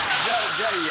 じゃあいいや。